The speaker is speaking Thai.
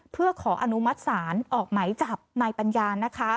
เพื่อขออนุมัติศาลออกไหมจับนายปัญญา